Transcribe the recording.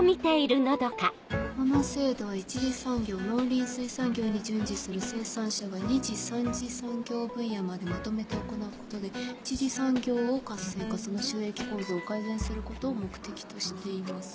「この制度は１次産業に従事する生産者が２次３次産業分野までまとめて行うことで１次産業を活性化その収益構造を改善することを目的としています」。